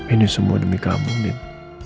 ini semua demi kamu din